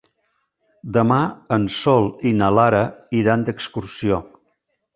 Demà en Sol i na Lara iran d'excursió.